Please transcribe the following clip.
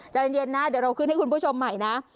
ใจเย็นนะเดี๋ยวเราขึ้นให้คุณผู้ชมใหม่นะ